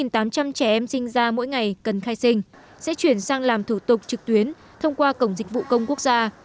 hai tám trăm linh trẻ em sinh ra mỗi ngày cần khai sinh sẽ chuyển sang làm thủ tục trực tuyến thông qua cổng dịch vụ công quốc gia